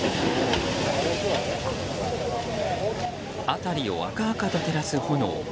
辺りを赤々と照らす炎。